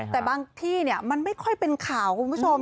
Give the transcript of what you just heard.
แต่บางที่มันไม่ค่อยเป็นข่าวคุณผู้ชม